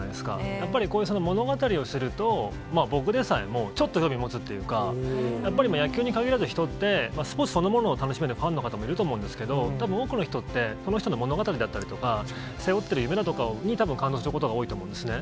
やっぱり物語をすると、僕でさえも、ちょっと興味持つっていうか、やっぱり野球にかぎらず、人ってスポーツそのものを楽しめるファンの方もいると思うんですけど、たぶん多くの人って、この人の物語だったりとか、背負っている夢だとかに、たぶん、感動することが多いと思うんですね。